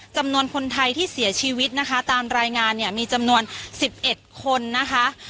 จำนวนคนไทยที่เสียชีวิตนะคะตามรายงานเนี่ยมีจำนวน๑๑คนนะคะ